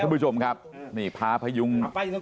คุณผู้ชมครับนี่พาพยุง